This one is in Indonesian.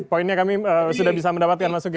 poinnya kami sudah bisa mendapatkan mas uki